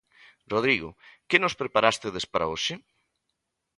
Rodrigo, que nos preparastedes para hoxe?